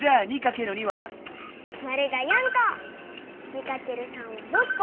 ２×３は６こ。